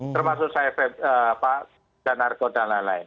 termasuk saya dan narkot dan lain lain